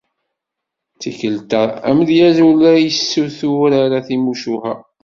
Tikkelt-a, amedyaz ur la yessutur ara timucuha.